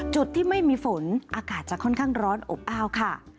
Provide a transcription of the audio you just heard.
จุดที่ไม่มีฝนอากาศจะค่อนข้างร้อนอบอ้าวค่ะ